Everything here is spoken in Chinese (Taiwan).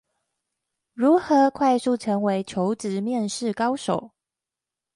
如何快速成為求職面試高手